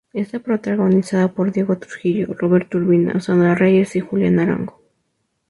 Está protagonizada por Diego Trujillo, Roberto Urbina, Sandra Reyes y Julián Arango.